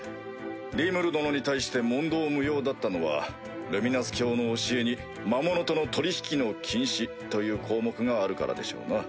リムル殿に対して問答無用だったのはルミナス教の教えに「魔物との取引の禁止」という項目があるからでしょうな。